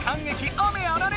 雨あられ！